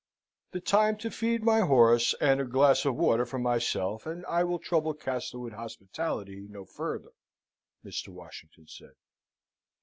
"The time to feed my horse, and a glass of water for myself, and I will trouble Castlewood hospitality no further," Mr. Washington said.